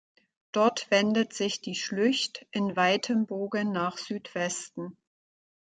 Dort wendet sich die Schlücht in weitem Bogen nach Südwesten.